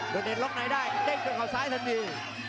โดเดชน์ล๊อคไนได้เด้งตัวเขาซ้ายทันดี